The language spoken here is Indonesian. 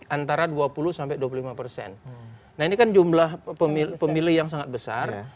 aktif maupun tidak aktif itu antara dua puluh dua puluh lima persen nah ini kan jumlah pemilih yang sangat besar